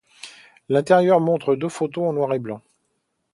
L'intérieur montre deux photos en noir et blanc.